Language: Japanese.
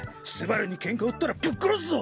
昴にケンカ売ったらぶっ殺すぞ！